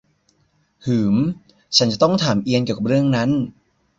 หืม ฉันจะต้องถามเอียนเกี่ยวกับเรื่องนั้น